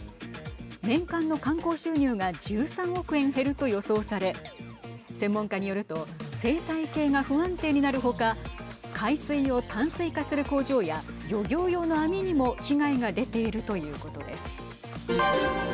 年間の観光収入が１３億円減ると予想され専門家によると生態系が不安定になる他海水を淡水化する工場や漁業用の網にも被害が出ているということです。